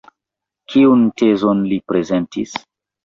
Kiun tezon li prezentis?